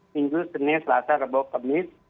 minggu senin selasa rabu khamis